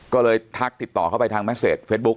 ก็เลยทักติดต่อเข้าไปทางแสเฟซบุ๊